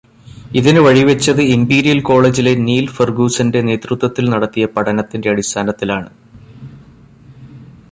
ഇതിന് വഴിവെച്ചത് ഇംപീരിയൽ കോളേജിലെ നീൽ ഫർഗൂസന്റെ നേതൃത്വത്തിൽ നടത്തിയ പഠനത്തിന്റെ അടിസ്ഥാനത്തിലാണ്.